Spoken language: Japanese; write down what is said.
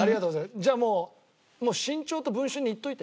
じゃあもう『新潮』と『文春』に言っといて。